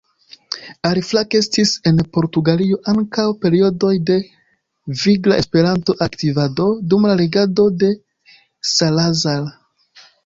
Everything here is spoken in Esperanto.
Aliflanke estis en Portugalio ankaŭ periodoj de vigla Esperanto-aktivado dum la regado de Salazar.